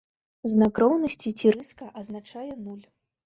Знак роўнасці ці рыска азначае нуль.